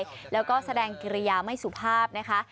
ทำหยาบคายแล้วก็แสดงกิริยาไม่สุภาพนะคะ